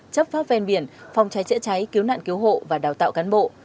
chấp pháp ven biển phòng cháy chữa cháy cứu nạn cứu hộ và đào tạo cán bộ